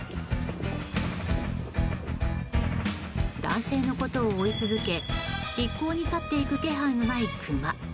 男性のことを追い続け一向に去っていく気配のないクマ。